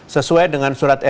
sesuai dengan surat id